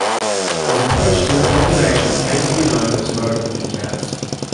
His approach to improvisation came to be known as modal in jazz.